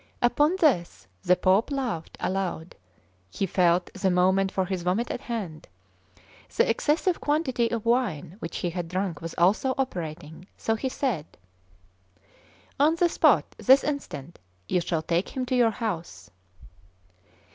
Upon this the Pope laughed aloud; he felt the moment for his vomit at hand; the excessive quantity of wine which he had drunk was also operating; so he said: "On the spot, this instant, you shall take him to your house."